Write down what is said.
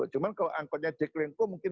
cuman kalau angkutnya ceklen kok mungkin